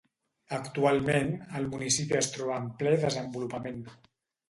Actualment el municipi es troba en ple desenvolupament.